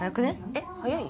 えっ早い？